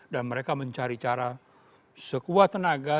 dan mereka mencari cara sekuat tenaga